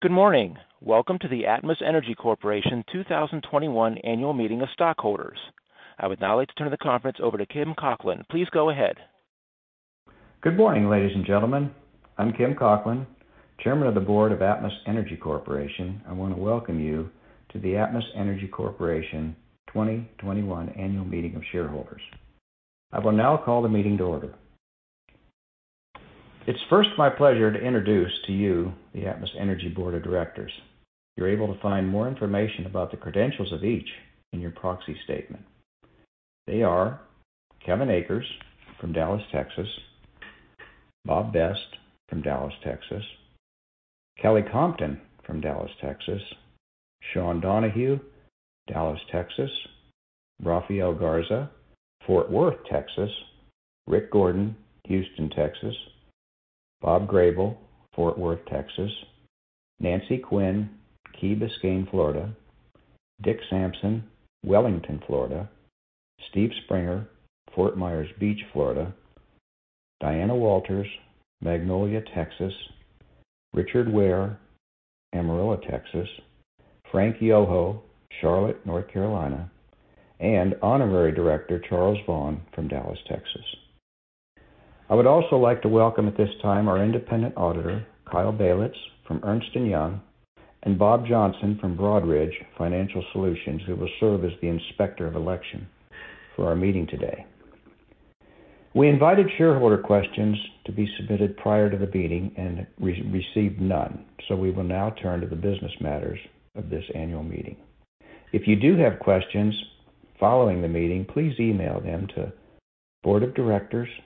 Good morning. Welcome to the Atmos Energy Corporation 2021 Annual Meeting of Stockholders. I would now like to turn the conference over to Kim Cocklin. Please go ahead. Good morning, ladies and gentlemen. I'm Kim Cocklin, Chairman of the Board of Atmos Energy Corporation. I want to welcome you to the Atmos Energy Corporation 2021 Annual Meeting of Shareholders. I will now call the meeting to order. It's first my pleasure to introduce to you the Atmos Energy Board of Directors. You're able to find more information about the credentials of each in your proxy statement. They are Kevin Akers from Dallas, Texas, Bob Best from Dallas, Texas, Kelly Compton from Dallas, Texas, Sean Donohue, Dallas, Texas, Rafael Garza, Fort Worth, Texas, Rick Gordon, Houston, Texas, Bob Grable, Fort Worth, Texas, Nancy Quinn, Key Biscayne, Florida, Dick Sampson, Wellington, Florida, Steve Springer, Fort Myers Beach, Florida, Diana Walters, Magnolia, Texas, Richard Ware, Amarillo, Texas, Frank Yoho, Charlotte, North Carolina, and Honorary Director Charles Vaughan from Dallas, Texas. I would also like to welcome at this time our independent auditor, Kyle Bayless from Ernst & Young, and Bob Johnson from Broadridge Financial Solutions, who will serve as the inspector of election for our meeting today. We invited shareholder questions to be submitted prior to the meeting and received none. We will now turn to the business matters of this annual meeting. If you do have questions following the meeting, please email them to boardofdirectors@atmosenergy.com.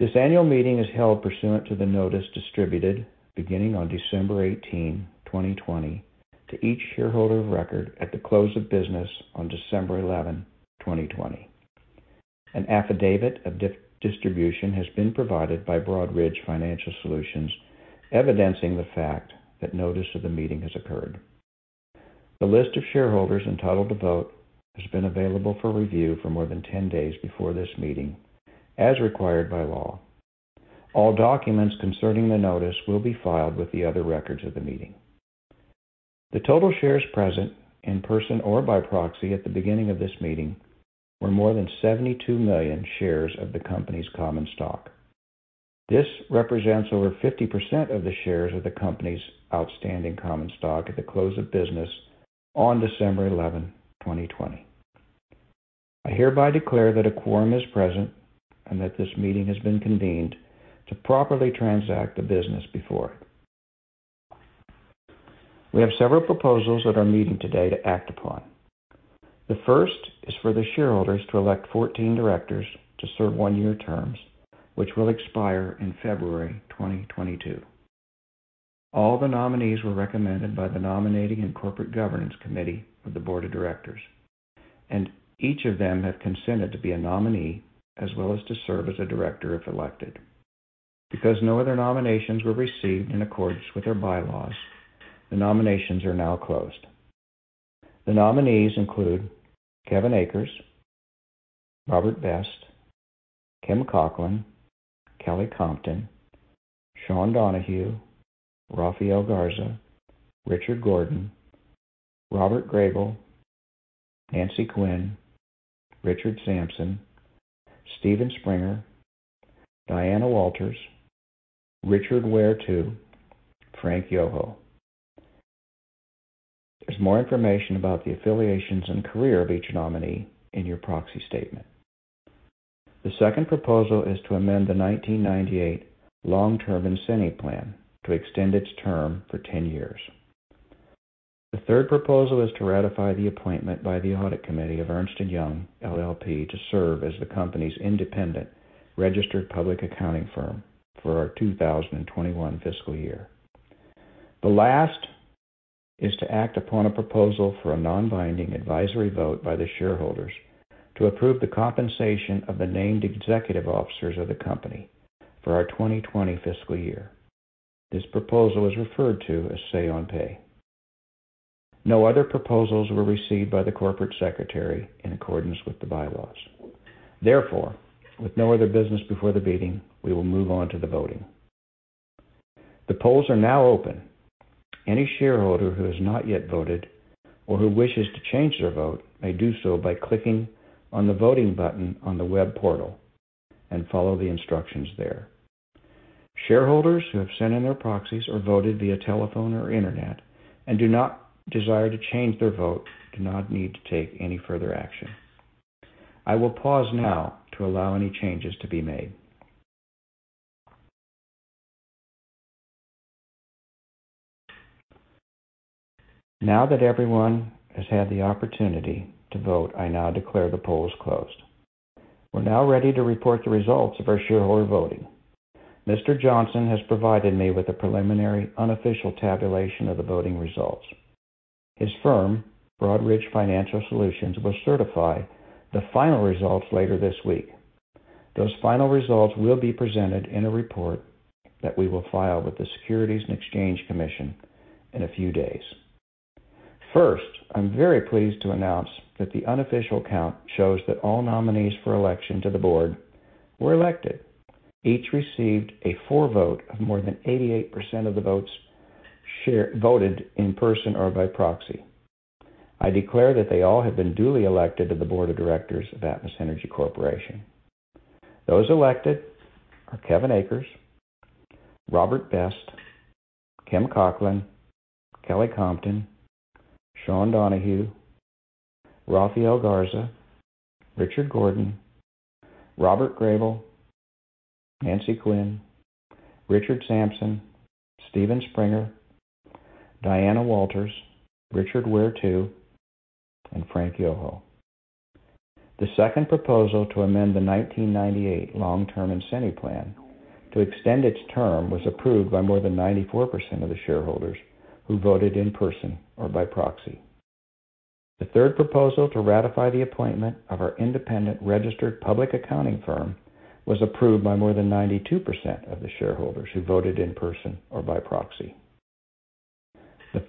This annual meeting is held pursuant to the notice distributed beginning on December 18, 2020, to each shareholder of record at the close of business on December 11, 2020. An affidavit of distribution has been provided by Broadridge Financial Solutions evidencing the fact that notice of the meeting has occurred. The list of shareholders entitled to vote has been available for review for more than 10 days before this meeting, as required by law. All documents concerning the notice will be filed with the other records of the meeting. The total shares present in person or by proxy at the beginning of this meeting were more than 72 million shares of the company's common stock. This represents over 50% of the shares of the company's outstanding common stock at the close of business on December 11, 2020. I hereby declare that a quorum is present and that this meeting has been convened to properly transact the business before it. We have several proposals at our meeting today to act upon. The first is for the shareholders to elect 14 directors to serve one-year terms, which will expire in February 2022. All the nominees were recommended by the Nominating and Corporate Governance Committee of the Board of Directors, and each of them have consented to be a nominee as well as to serve as a director if elected. No other nominations were received in accordance with our bylaws; the nominations are now closed. The nominees include Kevin Akers, Robert Best, Kim Cocklin, Kelly Compton, Sean Donohue, Rafael Garza, Richard Gordon, Robert Grable, Nancy Quinn, Richard Sampson, Stephen Springer, Diana Walters, Richard Ware II, Frank Yoho. There's more information about the affiliations and career of each nominee in your proxy statement. The second proposal is to amend the 1998 Long-Term Incentive Plan to extend its term for 10 years. The third proposal is to ratify the appointment by the Audit Committee of Ernst & Young LLP to serve as the company's independent registered public accounting firm for our 2021 fiscal year. The last is to act upon a proposal for a non-binding advisory vote by the shareholders to approve the compensation of the named executive officers of the company for our 2020 fiscal year. This proposal is referred to as Say on Pay. No other proposals were received by the corporate secretary in accordance with the bylaws. Therefore, with no other business before the meeting, we will move on to the voting. The polls are now open. Any shareholder who has not yet voted or who wishes to change their vote may do so by clicking on the voting button on the web portal and follow the instructions there. Shareholders who have sent in their proxies or voted via telephone or internet and do not desire to change their vote do not need to take any further action. I will pause now to allow any changes to be made. Now that everyone has had the opportunity to vote, I now declare the polls closed. We're now ready to report the results of our shareholder voting. Mr. Johnson has provided me with a preliminary, unofficial tabulation of the voting results. His firm, Broadridge Financial Solutions, will certify the final results later this week. Those final results will be presented in a report that we will file with the Securities and Exchange Commission in a few days. First, I'm very pleased to announce that the unofficial count shows that all nominees for election to the board were elected. Each received a for vote of more than 88% of the votes voted in person or by proxy. I declare that they all have been duly elected to the Board of Directors of Atmos Energy Corporation. Those elected are Kevin Akers, Robert Best, Kim Cocklin, Kelly Compton, Sean Donohue, Rafael Garza, Richard Gordon, Robert Grable, Nancy Quinn, Richard Sampson, Stephen Springer, Diana Walters, Richard Ware II, and Frank Yoho. The second proposal to amend the 1998 Long-Term Incentive Plan to extend its term was approved by more than 94% of the shareholders who voted in person or by proxy. The third proposal to ratify the appointment of our independent registered public accounting firm was approved by more than 92% of the shareholders who voted in person or by proxy. The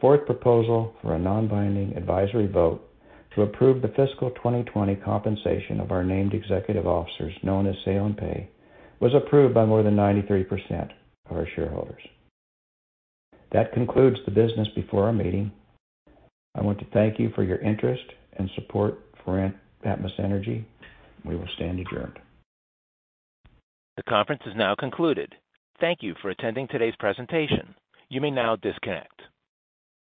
fourth proposal for a non-binding advisory vote to approve the fiscal 2020 compensation of our named executive officers, known as Say on Pay, was approved by more than 93% of our shareholders. That concludes the business before our meeting. I want to thank you for your interest and support for Atmos Energy. We will stand adjourned. The conference is now concluded. Thank you for attending today's presentation. You may now disconnect.